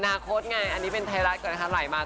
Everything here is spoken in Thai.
คตไงอันนี้เป็นไทยรัฐก่อนนะคะไหลมา